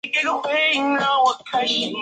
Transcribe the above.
区域是行政区划的一种。